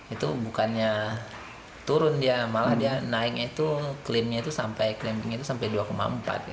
itu bukannya turun dia malah dia naiknya itu klaimnya itu sampai dua empat gitu kan